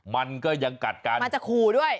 มันก็ยังกัดกันมันจะขู่ด้วย